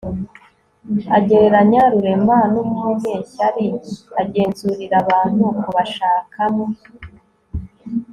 Agereranya Rurema n umunyeshyari ugenzurirabantu kubashakamw